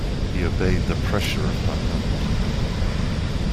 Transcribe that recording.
He obeyed the pressure of her hand.